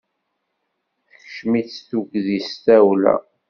Tekcem-itt tudgi d tawla.